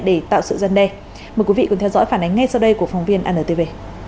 để tạo sự gian đe mời quý vị cùng theo dõi phản ánh ngay sau đây của phóng viên antv